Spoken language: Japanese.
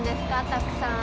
たくさん。